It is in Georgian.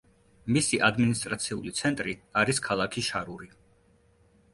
მისი ადმინისტრაციული ცენტრი არის ქალაქი შარური.